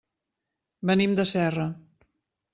Venim de Serra.